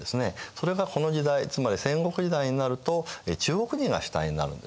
それがこの時代つまり戦国時代になると中国人が主体になるんですね。